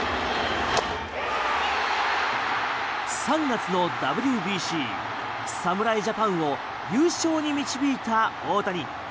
３月のＷＢＣ侍ジャパンを優勝に導いた大谷。